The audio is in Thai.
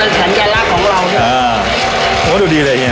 เราก็จะนัดขั้นการณ์รับของเราอ่าโอ้ดูดีเลยเนี่ย